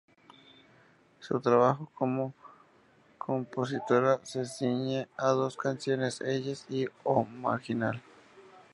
Su trabajo como compositora se ciñe a dos canciones: "Elles" y "O Marginal".